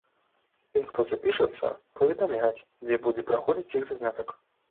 Тым, хто запішацца, паведамяць, дзе будзе праходзіць іх занятак.